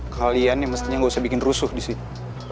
kalian yang mestinya gak usah bikin rusuh disitu